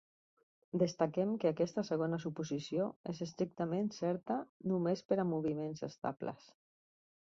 Destaquem que aquesta segona suposició és estrictament certa només per a moviments estables.